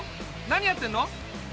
何やってんの？